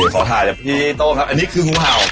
ขอถ่ายจากพี่โต้งครับอันนี้คืองูเห่า